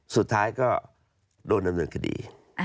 สุดท้ายก็โดนดำเนินคดี